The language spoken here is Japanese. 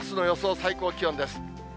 最高気温です。